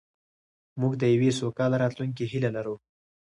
موږ د یوې سوکاله راتلونکې هیله لرو.